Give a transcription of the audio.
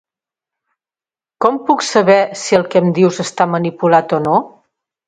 Com puc saber si el que em dius està manipulat o no?